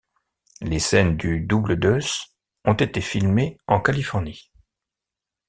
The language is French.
Les scènes du Double Deuce ont été filmées en Californie.